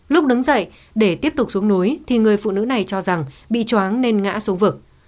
lúc đứng dậy để tiếp tục xuống núi thì người phụ nữ này cho rằng bị chóng nên ngã xuống vực